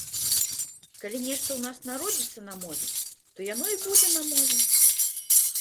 Калі нешта ў нас народзіцца на мове, то яно і будзе на мове!